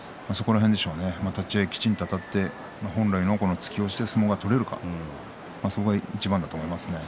立ち合いきちんとあたって本来の突き押しで相撲が取れるかそこがいちばんだと思います。